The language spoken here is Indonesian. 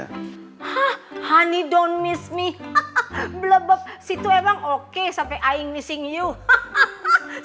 hah honey don't miss me hahaha blebep situ emang oke sampai i missing you hahaha